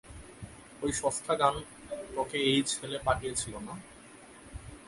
ওই সস্থা গান তোকে এই ছেলে পাঠিয়ে ছিলো না?